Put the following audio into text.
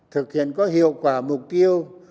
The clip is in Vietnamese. thực hiện có hiệu quả mục tiêu